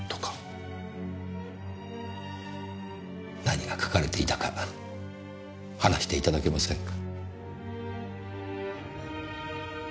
何が書かれていたか話していただけませんか？